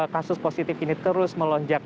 kasus positif ini terus melonjak